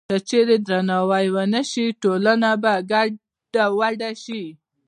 که چېرې درناوی ونه شي، ټولنه به ګډوډه شي.